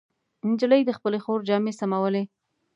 نجلۍ د خپلې خور جامې سمولې.